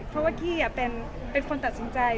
เพราะว่ากี้เป็นคนตัดสินใจ